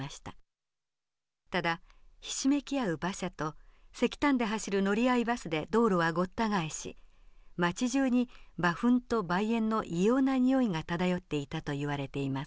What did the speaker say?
ただひしめき合う馬車と石炭で走る乗り合いバスで道路はごった返し街じゅうに馬ふんとばい煙の異様な臭いが漂っていたといわれています。